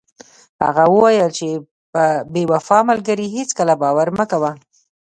هغه وویل چې په بې وفا ملګري هیڅکله باور مه کوه.